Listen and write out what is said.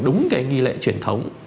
đúng cái nghi lệ truyền thống